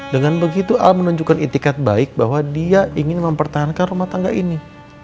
dengan begitu al menunjukkan itikat baik bahwa dia ingin mempertahankan rumah tangga ini